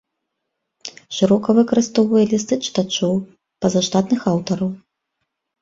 Шырока выкарыстоўвае лісты чытачоў, пазаштатных аўтараў.